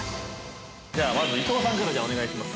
◆じゃあ、まず伊藤さんからお願いします。